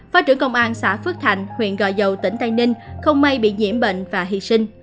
phó trưởng công an xã phước thạnh huyện gò dầu tỉnh tây ninh không may bị nhiễm bệnh và hy sinh